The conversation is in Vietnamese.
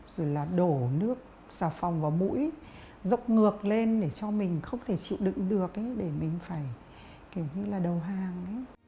rồi là đổ nước xào phòng vào mũi dọc ngược lên để cho mình không thể chịu đựng được để mình phải kiểu như là đầu hàng